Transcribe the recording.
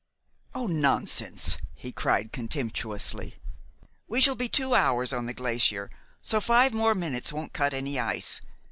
"Oh, nonsense!" he cried contemptuously. "We shall be two hours on the glacier, so five more minutes won't cut any ice.